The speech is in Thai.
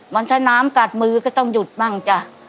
มันถ้าน้ำกัดมือก็ต้องหยุดบ้างจ้ะ